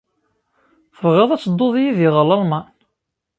Tebɣiḍ ad tedduḍ yid-i ɣer Lalman?